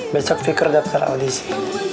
besok fikur daftar audisi